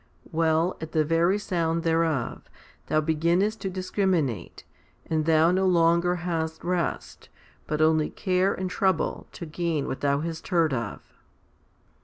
Well, at the very sound thereof, thou beginnest to discriminate, and thou no longer hast rest, but only care and trouble to gain what thou hast heard of.